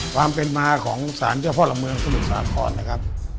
ความเป็นมาของสารเจ้าพ่อหลักเมืองสมุทรสาครนะครับ